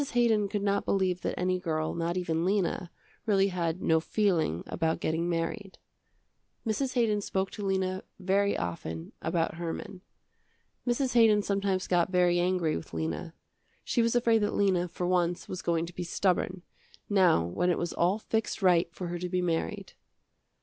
Haydon could not believe that any girl not even Lena, really had no feeling about getting married. Mrs. Haydon spoke to Lena very often about Herman. Mrs. Haydon sometimes got very angry with Lena. She was afraid that Lena, for once, was going to be stubborn, now when it was all fixed right for her to be married.